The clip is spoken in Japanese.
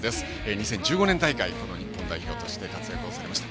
２０１５年大会で日本代表として活躍されました。